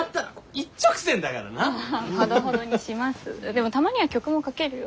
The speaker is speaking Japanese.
でもたまには曲もかけるよ。